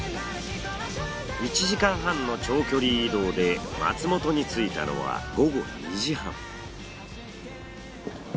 １時間半の長距離移動で松本に着いたのは午後２時半。